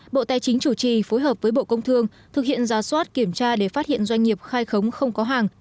bộ tài chính chủ trì phối hợp với bộ công thương thực hiện giả soát kiểm tra để phát hiện doanh nghiệp khai khống không có hàng